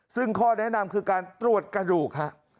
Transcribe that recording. ซึ่งข้อแนะนำคือการตรวจกระดูกฮะ